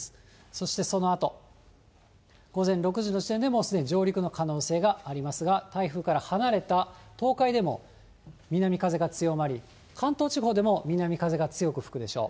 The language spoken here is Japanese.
そして、そのあと、午前６時の時点で、もうすでに上陸の可能性がありますが、台風から離れた東海でも、南風が強まり、関東地方でも南風が強く吹くでしょう。